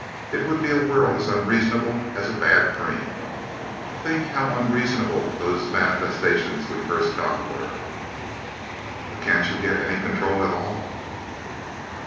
It would be a world as unreasonable as a bad dream. Think how unreasonable those manifestations we first got were!" "But can't you get any control at all?"